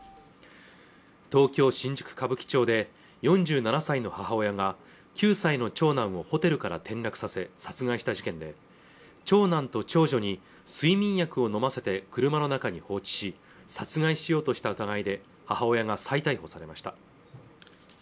東京新宿歌舞伎町で４７歳の母親が９歳の長男をホテルから転落させ殺害した事件で長男と長女に睡眠薬を飲ませて車の中に放置し殺害しようとした疑いで母親が再逮捕されました